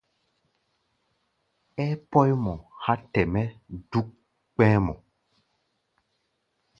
Ɛɛ pɔ́í mɔ há̧ te mɛ́ duk kpɛ́ɛ́ mɔ.